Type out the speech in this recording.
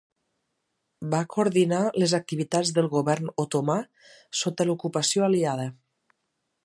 Va coordinar les activitats del govern otomà sota l'ocupació aliada.